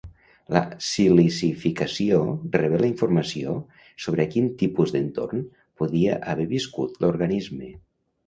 La silicificació revela informació sobre a quin tipus d'entorn podia haver viscut l'organisme.